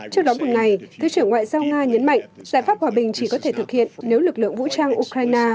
trước đó một ngày thứ trưởng ngoại giao nga nhấn mạnh giải pháp hòa bình chỉ có thể thực hiện nếu lực lượng vũ trang ukraine